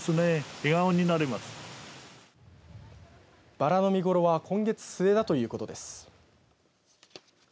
バラの見頃は今月末だということです。